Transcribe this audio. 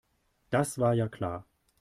Das war ja klar.